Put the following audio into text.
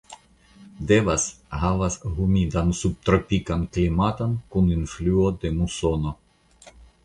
Devas havas humidan subtropikan klimaton kun influo de musono.